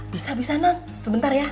bisa bisa nak sebentar ya